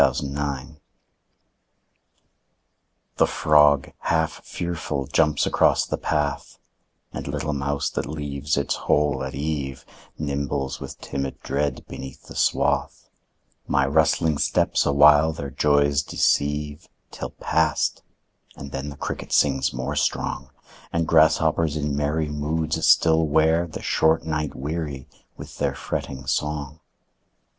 Summer Evening The frog half fearful jumps across the path, And little mouse that leaves its hole at eve Nimbles with timid dread beneath the swath; My rustling steps awhile their joys deceive, Till past, and then the cricket sings more strong, And grasshoppers in merry moods still wear The short night weary with their fretting song.